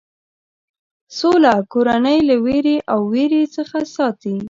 سوله کورنۍ له وېره او وېرې څخه ساتي.